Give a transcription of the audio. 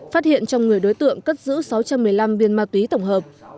phát hiện trong người đối tượng cất giữ sáu trăm một mươi năm viên ma túy tổng hợp